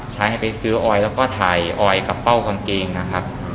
ให้ไปซื้อออยแล้วก็ถ่ายออยกับเป้ากางเกงนะครับ